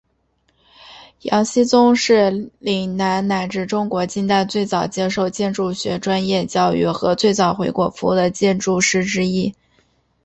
杨锡宗是岭南乃至中国近代最早接受建筑学专业教育和最早回国服务的建筑师之一。